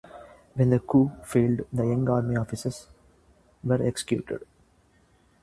When the coup failed, the young army officers were executed.